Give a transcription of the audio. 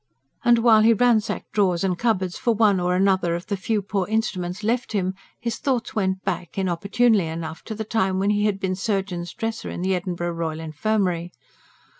And while he ransacked drawers and cupboards for one or other of the few poor instruments left him, his thoughts went back, inopportunely enough, to the time when he had been surgeon's dresser in the Edinburgh Royal Infirmary.